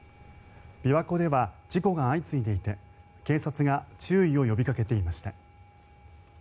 琵琶湖では事故が相次いでいて警察が注意を呼びかけていました。